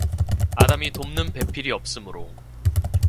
아담이 돕는 배필이 없으므로